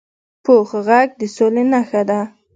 پوخ غږ د سولي نښه ده